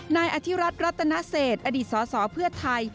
นายอธิรัฐรัตนเศษอดีตสสเพื่อไทย